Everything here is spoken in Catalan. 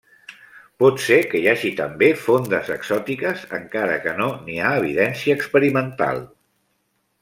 Pot ser que hi hagi també fondes exòtiques, encara que no n'hi ha evidència experimental.